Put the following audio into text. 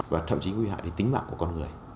và thậm chí nguy hại đến tính mạng của con người